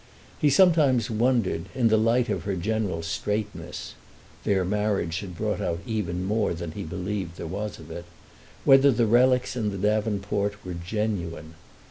He sometimes wondered, in the light of her general straightness (their marriage had brought out even more than he believed there was of it) whether the relics in the davenport were genuine.